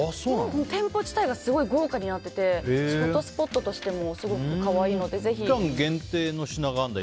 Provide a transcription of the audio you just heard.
店舗自体がすごい豪華になっててフォトスポットとしてもすごく可愛いので、ぜひ。期間限定の品があるんだ。